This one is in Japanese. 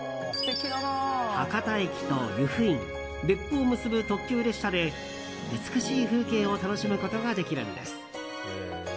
博多駅と由布院、別府を結ぶ特急列車で美しい風景を楽しむことができるんです。